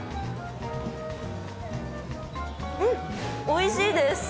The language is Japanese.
うん、おいしいです。